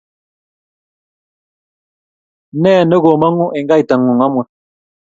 Nee nekomong'u eng' kaitang'ung' amut.